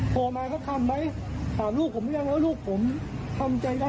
พ่อมาเขาทำไหมหากลูกก็ไม่รู้ซึ่งหากลูกผมทำใจได้รึยัง